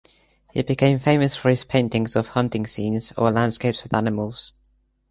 He became famous for his paintings of hunting scenes or landscapes with animals.